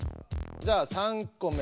じゃあ３個目。